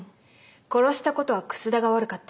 殺したことは楠田が悪かった。